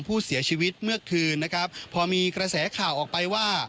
ผู้เสียชีวิตเมื่อคืนนะครับพอมีกระแสข่าวออกไปว่า